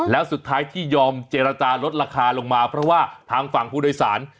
แล้วสุดท้ายที่ยอมเจรจาลดราคาลงมาเพราะว่าทางฝั่งผู้โดยสาร